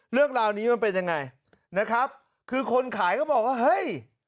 เรื่องราวนี้มันเป็นยังไงนะครับคือคนขายก็บอกว่าเฮ้ย